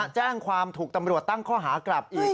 แจ้งความถูกตำรวจตั้งข้อหากลับอีก